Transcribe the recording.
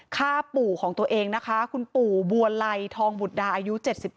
ฆ่าปู่ของตัวเองนะคะคุณปู่บัวไลทองบุตรดาอายุ๗๘